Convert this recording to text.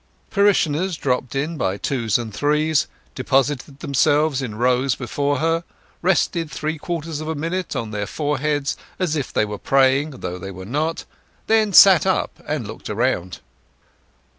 Parishioners dropped in by twos and threes, deposited themselves in rows before her, rested three quarters of a minute on their foreheads as if they were praying, though they were not; then sat up, and looked around.